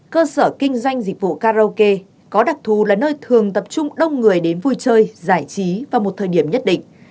cơ sở kinh doanh dịch vụ karaoke có đặc thù là nơi thường tập trung đông người đến vui chơi giải trí vào một thời điểm nhất định